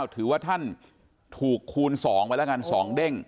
ถือว่าท่านถูกคูณ๒ไว้แล้วกัน๒เด้ง